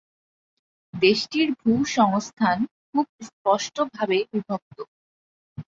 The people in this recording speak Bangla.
দেশটির ভূসংস্থান খুব স্পষ্টভাবে বিভক্ত।